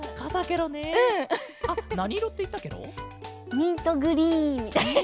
ミントグリーンみたいな。